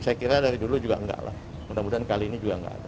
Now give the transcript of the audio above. saya kira dari dulu juga enggak lah mudah mudahan kali ini juga nggak ada